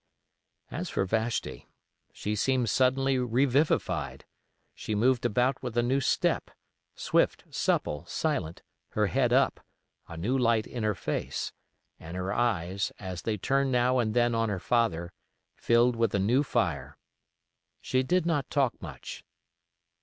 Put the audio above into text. As for Vashti, she seemed suddenly revivified; she moved about with a new step, swift, supple, silent, her head up, a new light in her face, and her eyes, as they turned now and then on her father, filled with a new fire. She did not talk much.